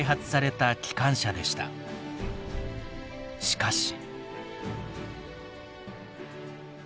しかし。